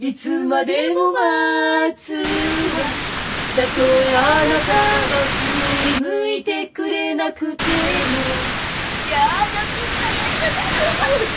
「たとえあなたがふり向いてくれなくても」やだピッタリ合っちゃった。